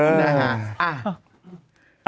เออ